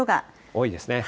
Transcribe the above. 多いですね。